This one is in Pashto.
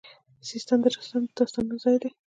سیستان د رستم د داستانونو ځای دی